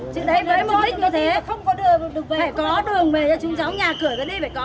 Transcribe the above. chứ đấy với mục đích như thế phải có đường về cho chúng cháu nhà cửa ra đi phải có